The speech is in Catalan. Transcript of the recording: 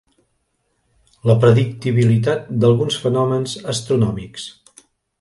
La predictibilitat d'alguns fenòmens astronòmics.